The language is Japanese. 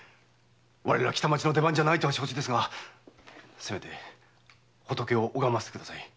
我ら北町の出番じゃないとは承知ですがせめて仏を拝ませてください。